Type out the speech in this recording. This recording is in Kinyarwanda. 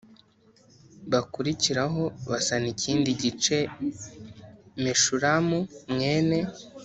Bakurikiraho basana ikindi gice meshulamu mwene